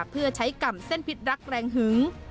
เพื่อใช้กรรมเส้นพิษรักแรงหึง